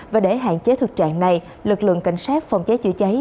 và để hạn chế thực trạng này lực lượng cảnh sát phòng cháy chữa cháy